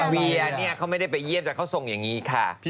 เวียเนี่ยเขาไม่ได้ไปเยี่ยมแต่เขาทรงอย่างนี้ค่ะ